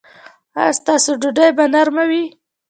ایا ستاسو ډوډۍ به نرمه وي؟